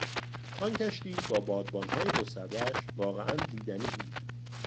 آن کشتی با بادبانهای گستردهاش واقعا دیدنی بود.